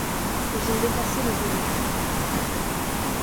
ils ont dépassés le volume